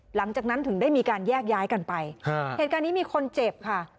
หลังจากนั้นถึงได้มีการแยกย้ายกันไปเหตุการณ์นี้มีคนเจ็บค่ะ